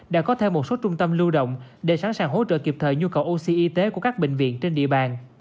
đã có thêm một số trung tâm lưu động để sẵn sàng hỗ trợ kịp thời nhu cầu oxy y tế của các bệnh viện trên địa bàn